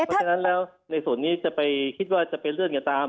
เพราะฉะนั้นแล้วในส่วนนี้จะไปคิดว่าจะเป็นเรื่องก็ตาม